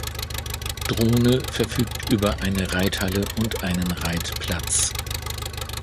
Drohne verfügt über eine Reithalle und einen Reitplatz.